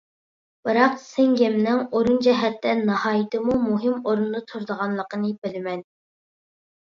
بىراق سىڭگىمنىڭ ئورۇن جەھەتتە ناھايىتىمۇ مۇھىم ئورۇندا تۇرىدىغانلىقىنى بىلىمەن.